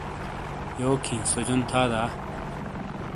یوک ھی، سوجون تھا دا